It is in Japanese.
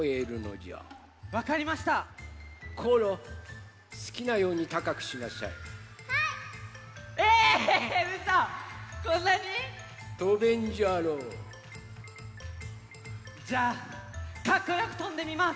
じゃあかっこよくとんでみます！